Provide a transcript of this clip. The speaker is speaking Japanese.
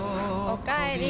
おかえり。